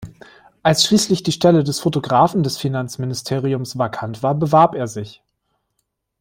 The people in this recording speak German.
Als schließlich die Stelle des Fotografen des Finanzministeriums vakant war, bewarb er sich.